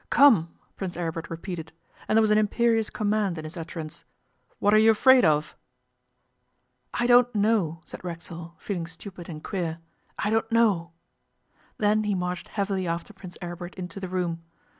'Come,' Prince Aribert repeated, and there was an imperious command in his utterance. 'What are you afraid of?' 'I don't know,' said Racksole, feeling stupid and queer; 'I don't know.' Then he marched heavily after Prince Aribert into the room.